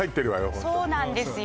ホントそうなんですよ